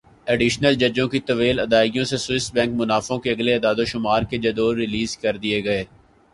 additional ججوں کی طویل ادائیگیوں سے سوئس بینک منافعوں کے اگلے اعدادوشمار کے جدول ریلیز کر دیے گئے